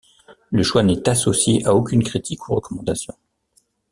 Le choix n'est associé à aucune critique ou recommandation.